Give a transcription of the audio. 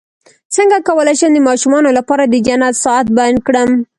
څنګه کولی شم د ماشومانو لپاره د جنت ساعت بیان کړم